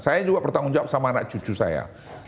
saya juga bertanggung jawab sama anak cucu saya